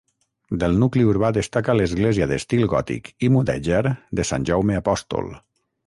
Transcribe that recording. Del nucli urbà destaca l'església d'estil gòtic i mudèjar de Sant Jaume Apòstol.